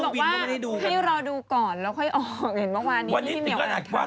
บางคนบอกว่าเขาดูก่อนแล้วค่อยออก